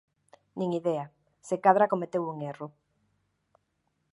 Nin idea. Se cadra cometeu un erro.